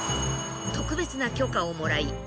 特別な許可をもらい